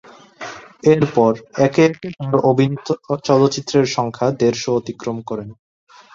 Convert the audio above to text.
এরপর, একে একে তার অভিনীত চলচ্চিত্রের সংখ্যা দেড়শ অতিক্রম করেন।